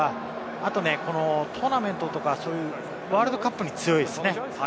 あとね、トーナメントとかワールドカップに強いですね。